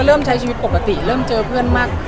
เริ่มใช้ชีวิตปกติเริ่มเจอเพื่อนมาก